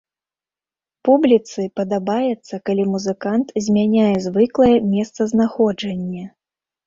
Публіцы падабаецца, калі музыкант змяняе звыклае месцазнаходжанне.